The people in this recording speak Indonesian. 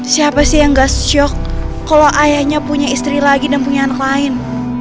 siapa sih yang gak syok kalau ayahnya punya istri lagi dan punya anak lain